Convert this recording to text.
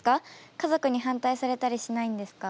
家族に反対されたりしないんですか？